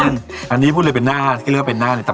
นั่นไข่อะไรนะพิกไกรใช่ไหม